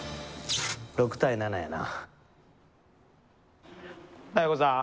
６対７やな。